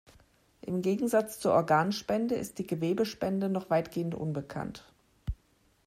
Im Gegensatz zur Organspende ist die Gewebespende noch weitgehend unbekannt.